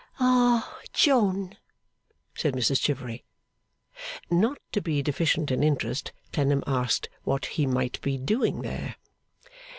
'Our John,' said Mrs Chivery. Not to be deficient in interest, Clennam asked what he might be doing there?